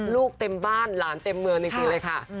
ลูกเต็มบ้านหลานเต็มเมืองจริงเลยค่ะ